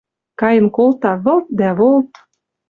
Кайын колта вылт дӓ волт.